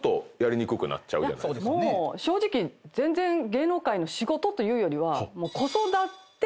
もう正直全然芸能界の仕事というよりは。